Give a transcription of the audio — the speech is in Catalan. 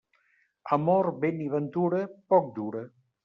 Amor, vent i ventura, poc dura.